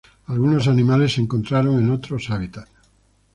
Algunos animales encontraron en otros hábitat.